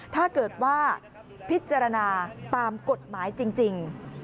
ถ้าเกิดว่าพิจารณาตามกฎหมายจริง